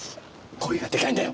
声がでかいんだよ！